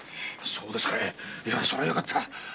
そうですかいそりゃよかった。